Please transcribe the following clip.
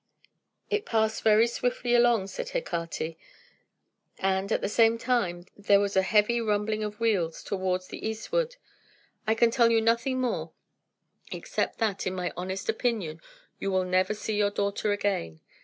"It passed very swiftly along," said Hecate, "and, at the same time, there was a heavy rumbling of wheels toward the eastward. I can tell you nothing more, except that, in my honest opinion, you will never see your daughter again.